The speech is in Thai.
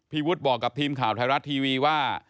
วุฒิบอกกับทีมข่าวไทยรัฐทีวีว่า